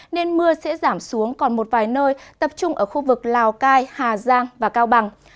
nên mưa sẽ giảm xuống còn một vài nơi tập trung ở khu vực lào cai hà giang và cao bằng